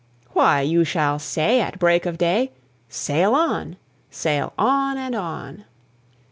"Why, you shall say, at break of day: 'Sail on! sail on! and on!'"